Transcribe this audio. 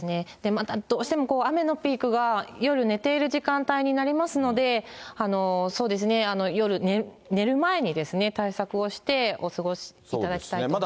またどうしても雨のピークが、夜寝ている時間帯になりますので、そうですね、夜寝る前にですね、対策をしてお過ごしいただきたいと思います。